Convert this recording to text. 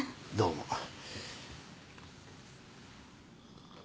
どうも。